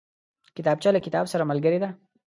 کتابچه له کتاب سره ملګرې ده